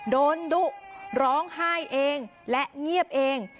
ดุร้องไห้เองและเงียบเอง